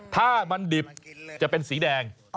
ถ้ามันดิบจะเป็นสีแดง